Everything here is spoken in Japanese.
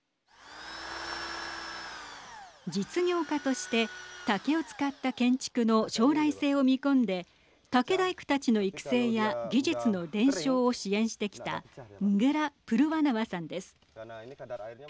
実業家として竹を使った建築の将来性を見込んで竹大工たちの育成や技術の伝承を支援してきたングラ・プルワナワさんです。